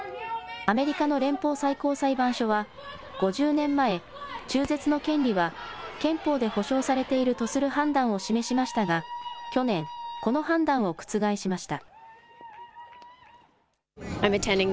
アメリカの連邦最高裁判所は、５０年前、中絶の権利は憲法で保障されているとする判断を示しましたが、去年、この判断を覆しました。